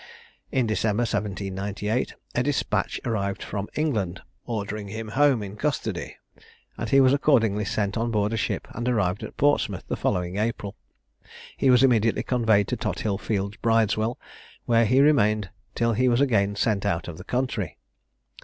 In December 1798, a despatch arrived from England, ordering him home in custody; and he was accordingly sent on board a ship, and arrived at Portsmouth the following April. He was immediately conveyed to Tothill fields Bridewell, where he remained till he was again sent out of the country.